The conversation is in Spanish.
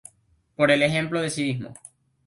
Por el ejemplo de civismo.